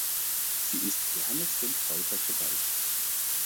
Sie ist Johannes dem Täufer geweiht.